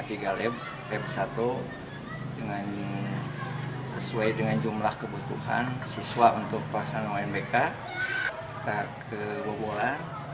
tiga lebih satu dengan sesuai dengan jumlah kebutuhan siswa untuk pelaksanaan unbk kebola